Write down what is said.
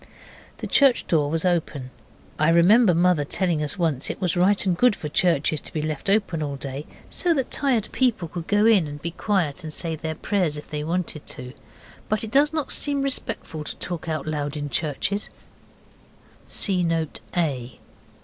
The church door was open. I remember mother telling us once it was right and good for churches to be left open all day, so that tired people could go in and be quiet, and say their prayers, if they wanted to. But it does not seem respectful to talk out loud in church. (See Note A.)